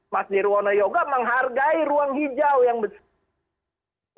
mas nirwono yoga menghargai ruang hijau yang besar